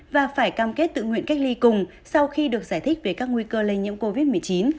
và phải cam kết tự nguyện cách ly cùng sau khi được giải thích về các nguy cơ lây nhiễm covid một mươi chín